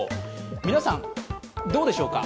皆さん、どうでしょうか。